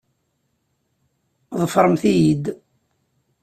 Ḍefremt-iyi-d!